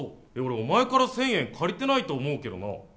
お前から１０００円借りてないと思うけどな。